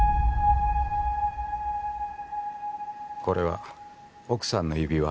これは奥さんの指輪？